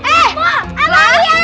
eh apaan ini